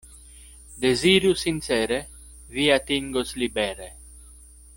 Deziru sincere, vi atingos libere.